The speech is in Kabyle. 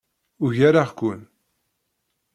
Ugareɣ-ken.